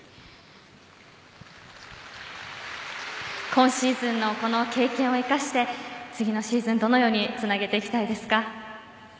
今シーズンのこの経験を生かして次のシーズンどのようにつなげていきたいですか？